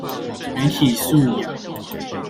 媒體素養